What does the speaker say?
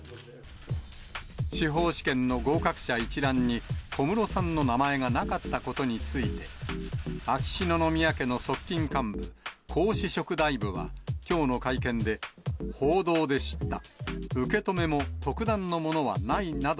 司法試験の合格者一覧に小室さんの名前がなかったことについて、秋篠宮家の側近幹部、皇嗣職大夫は、きょうの会見で、報道で知った。